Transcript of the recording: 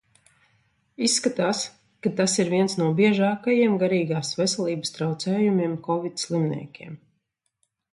Izskatās, ka tas ir viens no biežākajiem garīgās veselības traucējumiem Kovid slimniekiem.